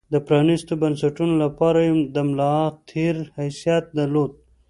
د پرانېستو بنسټونو لپاره یې د ملا تیر حیثیت درلود.